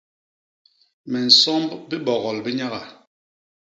Me nsomb bibogol bi nyaga.